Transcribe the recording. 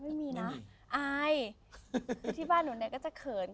ไม่มีนะอายที่บ้านหนูเนี่ยก็จะเขิน